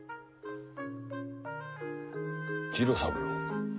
次郎三郎。